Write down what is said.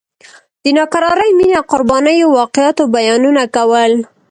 د ناکرارې مینې او قربانیو واقعاتو بیانونه کول.